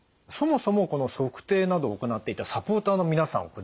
そもそもこの測定などを行っていたサポーターの皆さん